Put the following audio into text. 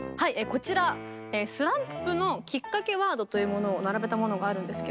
こちらスランプのきっかけワードというものを並べたものがあるんですけども。